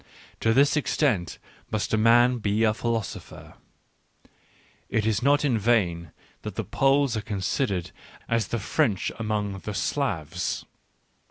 To this extent must a man be a philosopher. ... It is not in vain that the Poles are considered as the French among the Slavs.